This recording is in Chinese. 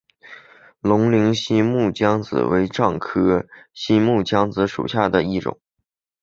龙陵新木姜子为樟科新木姜子属下的一个种。